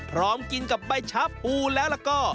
พร้อมกินกับใบชะพูแล้วก็